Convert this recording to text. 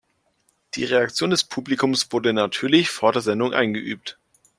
Die Reaktion des Publikums wurde natürlich vor der Sendung eingeübt.